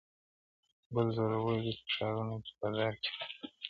بل زورور دي په ښارونو کي په دار کي خلک؛